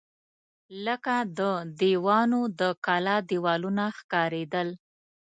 لکه د دیوانو د کلا دېوالونه ښکارېدل.